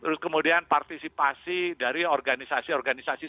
terus kemudian partisipasi dari organisasi organisasi